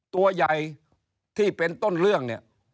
ตัวใหญ่ที่เป็นต้นเรื่อง